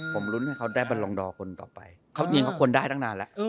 ผมรุ้นให้เขาได้บรรลงดอร์คนต่อไปเขายิงเขาคนได้ตั้งนานแล้ว